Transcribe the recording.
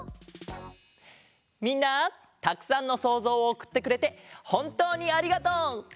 みんなたくさんのそうぞうをおくってくれてほんとうにありがとう！